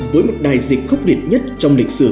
với một đại dịch khốc liệt nhất trong lịch sử